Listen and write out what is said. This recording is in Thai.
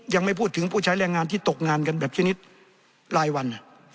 ยังไม่พูดถึงผู้ใช้แรงงานที่ตกงานกันแบบชนิดรายวัน